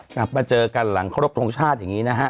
กลับมาเจอกันหลังครบทรงชาติอย่างนี้นะฮะ